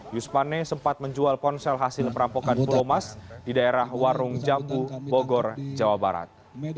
yus pane sempat menjual ponsel hasil perampokan pulomas di daerah warung jambu bogor jawa barat